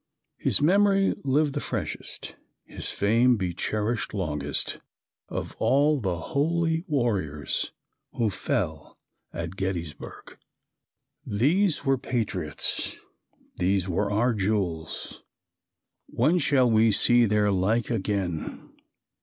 His memory live the freshest, His fame be cherished longest, Of all the holy warriors, Who fell at Gettysburg. These were patriots, these were our jewels. When shall we see their like again?